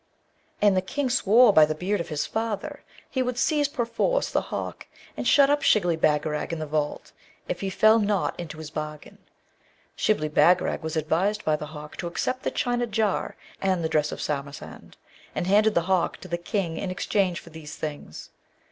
And the King swore by the beard of his father he would seize perforce the hawk and shut up Shibli Bagarag in the vault, if he fell not into his bargain. Shibli Bagarag was advised by the hawk to accept the China jar and the dress of Samarcand, and handed the hawk to the King in exchange for these things.